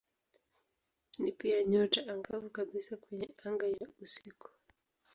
Ni pia nyota angavu kabisa kwenye anga ya usiku.